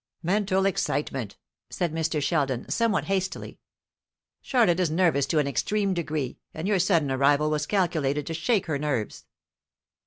"Mental excitement," said Mr. Sheldon, somewhat hastily; "Charlotte is nervous to an extreme degree, and your sudden arrival was calculated to shake her nerves."